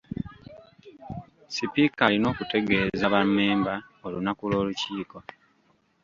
Sipiika alina okutegeeza ba memba olunaku lw'olukiiko.